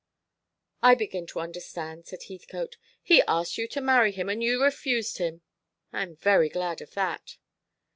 "I begin to understand," said Heathcote. "He asked you to marry him, and you refused him. I am very glad of that."